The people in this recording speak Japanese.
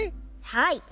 はい。